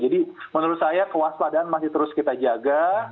jadi menurut saya kewaspadaan masih terus kita jaga